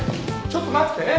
ちょっと待って。